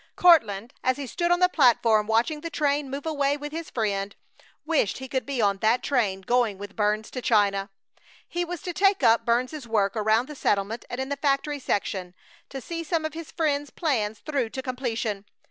Courtland, as he stood on the platform watching the train move away with his friend, wished he could be on that train going with Burns to China. He was to take up Burns's work around the settlement and in the factory section; to see some of his friend's plans through to completion.